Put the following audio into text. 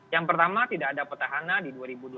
yang pertama tidak ada petahana di dua ribu dua puluh